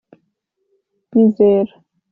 nyizera ...